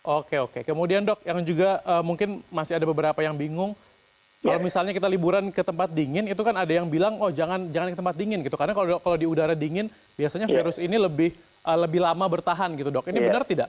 oke oke kemudian dok yang juga mungkin masih ada beberapa yang bingung kalau misalnya kita liburan ke tempat dingin itu kan ada yang bilang oh jangan ke tempat dingin gitu karena kalau di udara dingin biasanya virus ini lebih lama bertahan gitu dok ini benar tidak